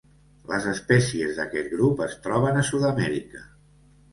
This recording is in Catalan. Les espècies d'aquest grup es troben a Sud-amèrica.